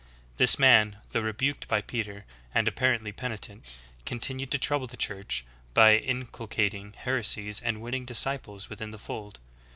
^ This man, though rebuked by Peter, and apparently penitent, continued to trouble the Church, by inculcating heresies and winning disciples with in the fold.